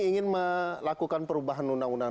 ingin melakukan perubahan undang undang